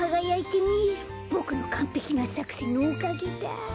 ボクのかんぺきなさくせんのおかげだ！